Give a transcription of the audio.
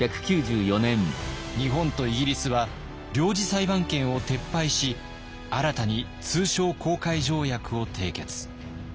日本とイギリスは領事裁判権を撤廃し新たに通商航海条約を締結。